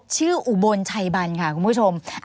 อุบลชัยบันค่ะคุณผู้ชม